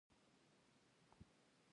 هر نوی لغت باید د خلکو په خوله کې کښیني.